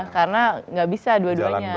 karena gak bisa dua duanya